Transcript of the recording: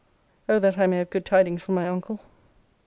O that I may have good tidings from my uncle!